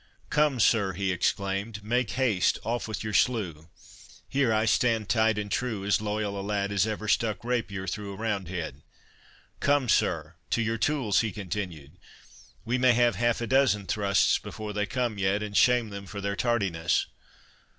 "Come, sir!" he exclaimed; "make haste, off with your slough—Here I stand tight and true—as loyal a lad as ever stuck rapier through a roundhead.—Come, sir, to your tools!" he continued; "we may have half a dozen thrusts before they come yet, and shame them for their tardiness.